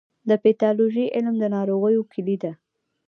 د پیتالوژي علم د ناروغیو کلي ده.